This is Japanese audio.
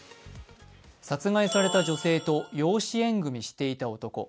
殺害された女性と養子縁組していた男。